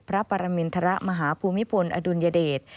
พระปรมินทรมาฮภูมิพลอดุลยเดช